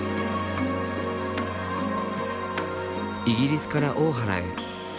イギリスから大原へ。